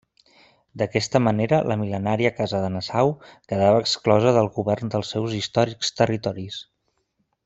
D'aquesta manera, la mil·lenària casa de Nassau quedava exclosa del govern dels seus històrics territoris.